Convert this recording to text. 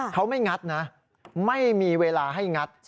เขาไม่งัดนะไม่มีเวลาให้งัด